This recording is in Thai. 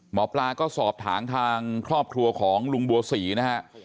หมอปลาก็สอบถามทางครอบครัวของลุงบัวศรีนะฮะ